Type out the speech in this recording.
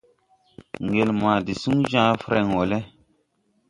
Ŋgel ma de suŋgun jãã frɛŋ wɔ lɛ.